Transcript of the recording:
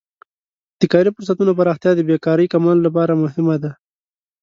د کاري فرصتونو پراختیا د بیکارۍ کمولو لپاره مهمه ده.